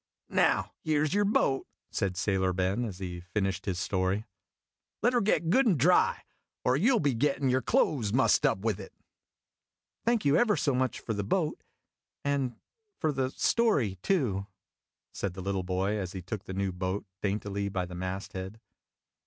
" Now, here 's your boat," said Sailor Ben, as he finished his story. " Let her get good and dry, or you '11 be gettin' your clothes mussed up with it." "Thank you ever so much for the boat, and for the story, too," said the little boy, as he took the new boat daintily by the mast head.